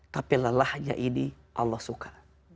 tapi lelahnya ini allah suka